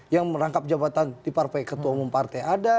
yang merangkap jabatan di partai ketua umum partai ada